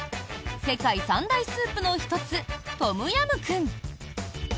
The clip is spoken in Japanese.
世界三大スープの１つトムヤムクン。